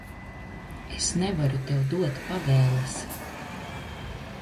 Es nevaru tev dot pavēles.